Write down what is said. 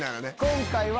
今回は。